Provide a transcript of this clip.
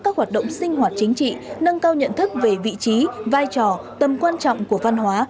các hoạt động sinh hoạt chính trị nâng cao nhận thức về vị trí vai trò tầm quan trọng của văn hóa